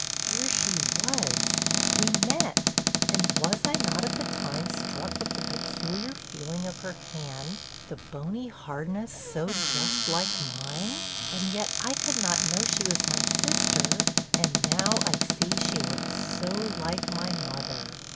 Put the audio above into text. here she was; we met; and was I not, at the time, struck with the peculiar feeling of her hand the bony hardness so just like mine? and yet I could not know she was my sister; and now I see she looked so like my mother.'